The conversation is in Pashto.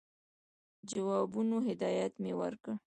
جوابونو هدایت مي ورکړ.